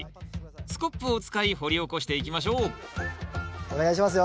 スコップを使い掘り起こしていきましょうお願いしますよ。